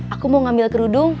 aku mau ngambil kerudung